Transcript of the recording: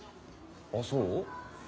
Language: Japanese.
ああそう？